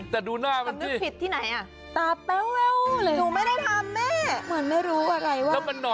แต่ดูหน้ามันที่จะไปเลือกผิดที่ไหน